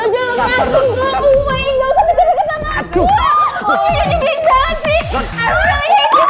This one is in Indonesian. saya udah sering nyusahin pak regar